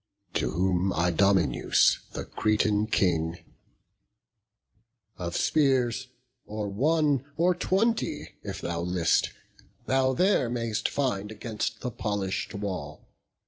To whom Idomeneus, the Cretan King: "Of spears, or one, or twenty, if thou list, Thou there mayst find against the polish'd wall.